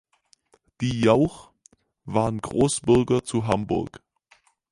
Die Jauch waren Großbürger zu Hamburg.